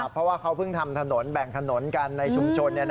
เพราะว่าเขาเพิ่งทำถนนแบ่งถนนกันในชุมชน